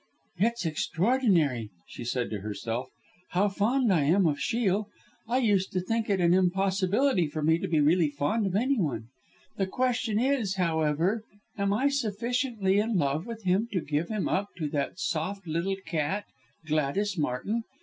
"It's extraordinary," she said to herself, "how fond I am of Shiel. I used to think it an impossibility for me to be really fond of anyone.... The question is, however, am I sufficiently in love with him, to give him up to that soft little cat Gladys Martin!